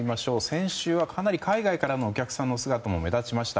先週は、かなり海外からのお客さんの姿も目立ちました。